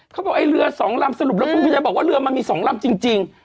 เขาบอกไอ้เรือ๒ลำสรุปแล้วคุณพยายามบอกว่าเรือมันมี๒ลำจริง